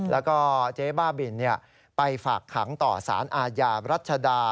แล้วก็เจ๊บ้าบินไปฝากขังต่อสารอาญารัชดา